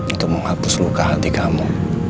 untuk menghapus luka hati kamu